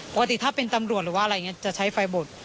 ปกติถ้าเป็นตำรวจหรือว่าอะไรอย่างนี้จะใช้ไฟบด